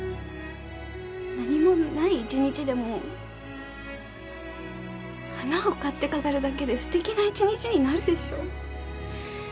何もない一日でも花を買って飾るだけですてきな一日になるでしょう？